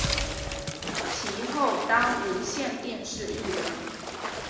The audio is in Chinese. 其后当无线电视艺人。